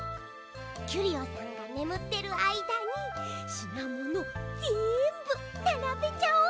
キュリオさんがねむってるあいだにしなものぜんぶならべちゃおう。